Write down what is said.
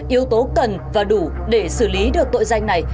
yếu tố cần và đủ để xử lý được tội danh này